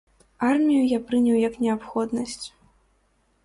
Армію я прыняў як неабходнасць.